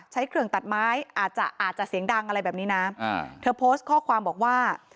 ใช้เครื่องตัดไม้อาจจะอาจจะเสียงดังอะไรแบบนี้นะเธอโพสต์ข้อความบอกว่า